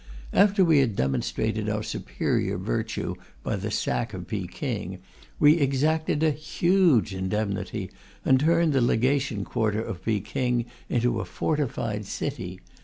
After we had demonstrated our superior virtue by the sack of Peking, we exacted a huge indemnity, and turned the Legation Quarter of Peking into a fortified city.